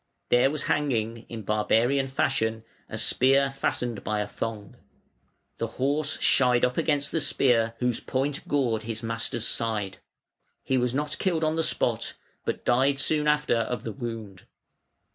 There was hanging, in barbarian fashion, a spear fastened by a thong. The horse shied up against the spear, whose point gored his master's side. He was not killed on the spot, but died soon after of the wound.